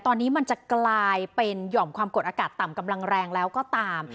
ตอนนี้มันจะกลายเป็นหย่อมความกดอากาศต่ำกำลังแรงแล้วก็ตาม